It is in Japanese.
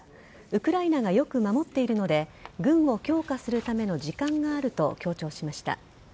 ウクライナがよく守っているので軍を強化するための時間があると強調しました。